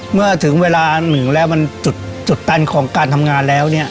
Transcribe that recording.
เมื่อถึงเวลาหนึ่งแล้วมันจุดตันของการทำงานแล้วเนี่ย